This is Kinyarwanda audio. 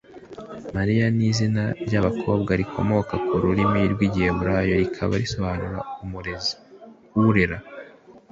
Marie ni izina ry’abakobwa rikomoka ku rurimi rw’Igiheburayi rikaba risobanura “Umurezi/urera”